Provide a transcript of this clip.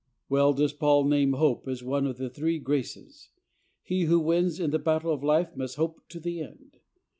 Well does Paul name hope as one of the three graces. He who wins in the battle of life must "hope to the end."